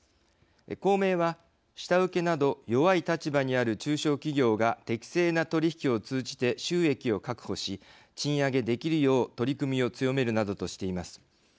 公明は、下請けなど弱い立場にある中小企業が適正な取り引きを通じて収益を確保し賃上げできるよう取り組みを強めるなどとしています。